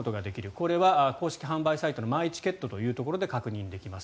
これは公式販売サイトのマイチケットというところで確認できます。